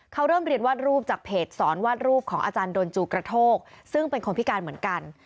เขาเริ่มเรียนวาดรูปจากเพจสอนวาดรูปของอาจารย์ดนจูกระโทกซึ่งเป็นคนพิการเหมือนกัน